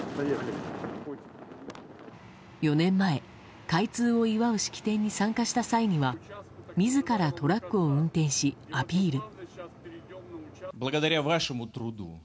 ４年前、開通を祝う式典に参加した際には自らトラックを運転しアピール。